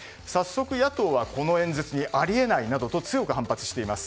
野党は、この演説にあり得ないなどと強く反発しています。